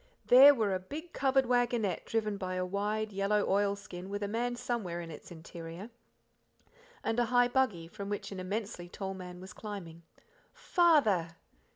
There were a big, covered waggonette driven by a wide yellow oil skin with a man somewhere in its interior, and a high buggy, from which an immensely tall man was climbing. "Father!"